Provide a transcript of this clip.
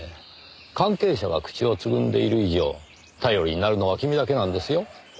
関係者が口をつぐんでいる以上頼りになるのは君だけなんですよ。